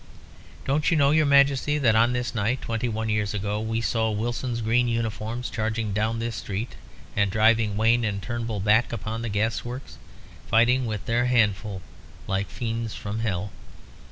Don't you know, your Majesty, that on this night twenty one years ago we saw Wilson's green uniforms charging down this street, and driving Wayne and Turnbull back upon the gas works, fighting with their handful like fiends from hell?